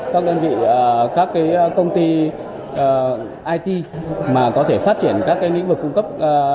các đơn vị các công ty it mà có thể phát triển các lĩnh vực cung cấp